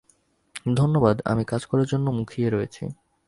ধন্যবাদ, আমি কাজ করার জন্য মুখিয়ে রয়েছি।